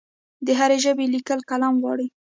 د هرې ژبې لیکل قلم غواړي.